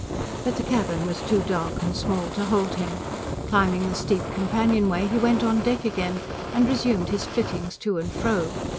But the cabin was too dark and small to hold him. Climbing the steep companion way he went on deck again, and resumed his flittings to and fro.